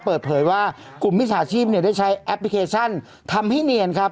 เปิดเผยว่ากลุ่มมิจฉาชีพเนี่ยได้ใช้แอปพลิเคชันทำให้เนียนครับ